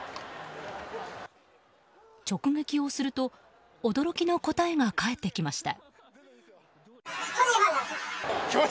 直撃をすると驚きの答えが返ってきました。